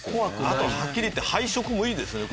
あとはっきり言って配色もいいですよね